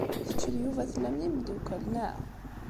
Kečč d Yuba tellam d imeddukal, naɣ?